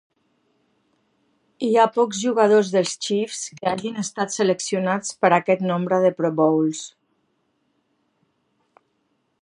Hi ha pocs jugadors dels Chiefs que hagin estat seleccionats per a aquest nombre de Pro Bowls.